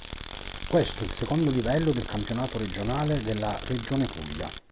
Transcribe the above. Questo è il secondo livello del campionato regionale della regione Puglia.